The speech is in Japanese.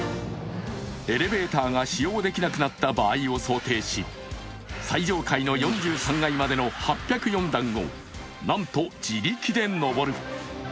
エレベーターが使用できなくなった場合を想定し最上階の４３階までの８０４段をなんと自力で上る。